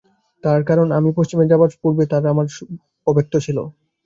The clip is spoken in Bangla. তার কারণ, আমি পশ্চিমে যাবার পূর্বে তাঁর সঙ্গে আমার সম্বন্ধ সম্পূর্ণই অব্যক্ত ছিল।